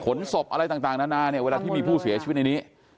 ศพอะไรต่างนานาเนี่ยเวลาที่มีผู้เสียชีวิตในนี้